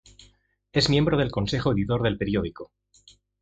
Es miembro del consejo editor del periódico.